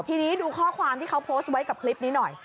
ทีนี้ดูข้อความที่เขาโพสต์ไว้กับคลิปนี้หน่อย